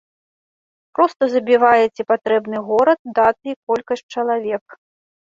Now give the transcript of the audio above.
Проста забіваеце патрэбны горад, даты і колькасць чалавек.